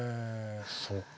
そっか。